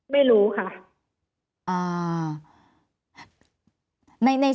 ไม่รู้ค่ะ